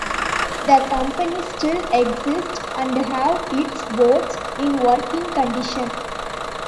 The company still exists and have its boats in working condition.